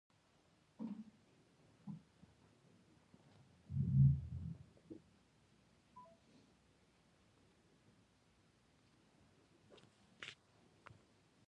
بادي انرژي د افغانستان د چاپیریال ساتنې لپاره ډېر مهم دي.